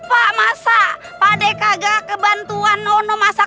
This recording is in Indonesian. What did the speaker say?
master masak pada ik son diet bantuan elaborasi masak